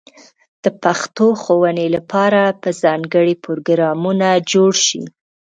د پښتو ښوونې لپاره به ځانګړې پروګرامونه جوړ شي.